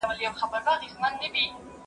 کېدای سي کښېناستل اوږدې وي!.